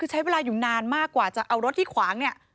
ใช้เวลาอยู่นานมากกว่าจะเอารถที่ขวางเนี่ย